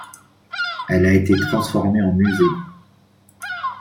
Elle a été transformée en musée.